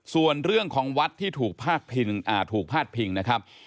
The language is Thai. ส่วนเรื่องของวัดที่ถูกพาดพิงนะครับ